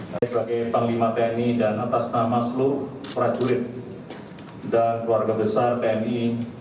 saya sebagai panglima tni dan atas nama seluruh prajurit dan keluarga besar tni